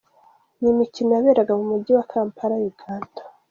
Ni imikino yaberaga mu mujyi wa Kampala, Uganda.